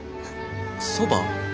そば？